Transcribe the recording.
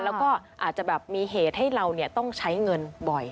แล้วก็อาจจะแบบมีเหตุให้เราต้องใช้เงินบ่อย